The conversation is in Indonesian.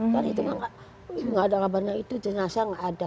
karena itu enggak ada kabarnya itu jenazah enggak ada